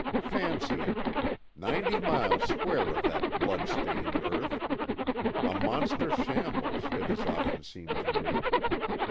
Fancy it! Ninety miles square of that blood stained earth. A monster shambles, it has often seemed to me.